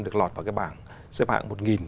được lọt vào bảng xếp hạng một